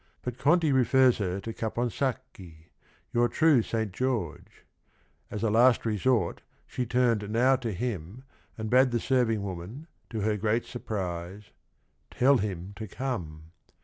But Conti refers her to Caponsacchi, — "your true Saint George." As a last resort she turned now to him and bade fh° ST ¥ing wr m an, to h fi r great surprise . "Tell hi m to com e."